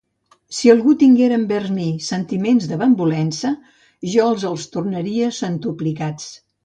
Si algú tinguera envers mi sentiments de benvolença, jo els els tornaria centuplicats.